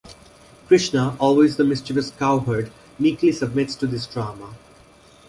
Krishna, always the mischievous cowherd, meekly submits to this drama.